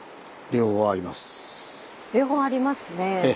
両方ありますねえ。